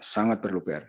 sangat perlu biar